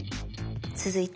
続いて。